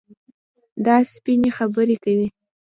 دا سپيني خبري کوي.